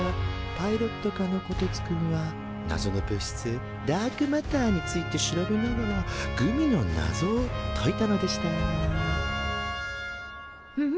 パイロット科のこてつくんはなぞの物質ダークマターについて調べながらグミのなぞを解いたのでした